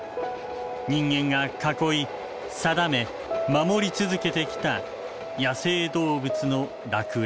人間が囲い定め守り続けてきた野生動物の楽園。